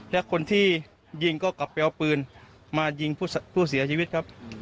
และคนที่ยิงก็กลับไปเอาปืนมายิงผู้เสียชีวิตครับ